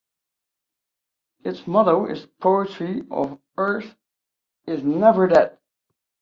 Its motto is "Poetry of earth is never dead".